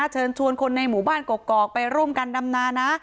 เชิญชวนคนในหมู่บ้านกอกไปร่วมกันดำนานะ